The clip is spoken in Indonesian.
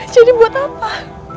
jadi buat apa